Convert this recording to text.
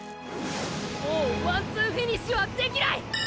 もうワンツーフィニッシュはできない！！